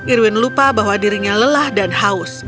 irwin lupa bahwa dirinya lelah dan haus